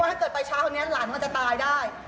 ถ้าจะไปช้าตอนนี้หลานก็จะตายได้